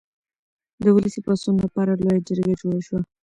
د ولسي پاڅون لپاره لویه جرګه جوړه شوه.